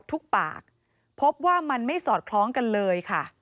ทุกปากพบว่ามันไม่สอดคล้องกันเลยค่ะ